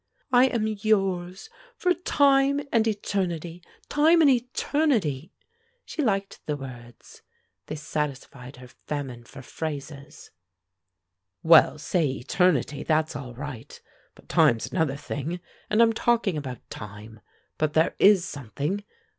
"I am yours, for time and eternity time and eternity." She liked the words; they satisfied her famine for phrases. "Well, say eternity; that's all right; but time's another thing; and I'm talking about time. But there is something!